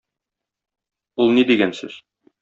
Ул ни дигән сүз?